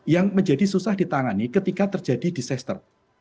yang menjadi susah ditangani ketika terjadi disaster